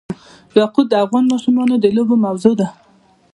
یاقوت د افغان ماشومانو د لوبو موضوع ده.